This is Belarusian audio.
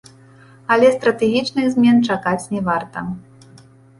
Але стратэгічных змен чакаць не варта.